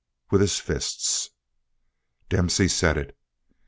with his fists. Dempsey said it.